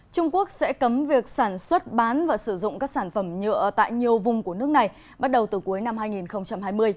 trung quốc sẽ cấm việc sản xuất bán và sử dụng các sản phẩm nhựa tại nhiều vùng của nước này bắt đầu từ cuối năm hai nghìn hai mươi